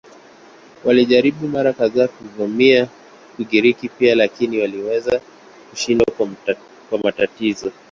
Walijaribu mara kadhaa kuvamia Ugiriki pia lakini waliweza kushindwa kwa matatizo.